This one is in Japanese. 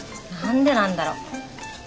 何でなんだろう？